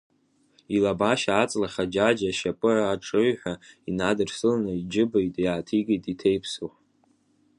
Илабашьа аҵла хаџьаџьа ашьапы аҽыҩҳәа инадырсыланы, иџьыба иааҭигеит иҭеисԥыҳә.